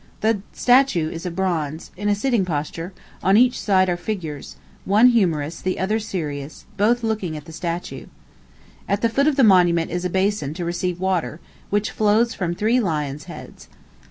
The statue is of bronze, in a sitting posture; on each side are figures, one humorous, the other serious, both looking at the statue. At the foot of the monument is a basin to receive water, which flows from three lions' heads.